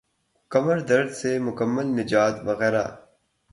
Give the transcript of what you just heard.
کمر درد سے مکمل نجات وغیرہ